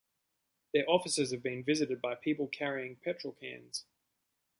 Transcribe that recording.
Their offices have been visited by people carrying petrol cans.